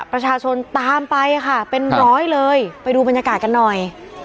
ประชาชนตามไปค่ะเป็นร้อยเลยไปดูบรรยากาศกันหน่อย